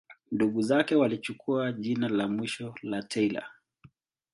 Ndugu zake walichukua jina la mwisho la Taylor.